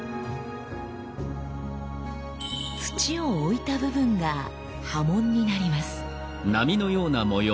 土を置いた部分が刃文になります。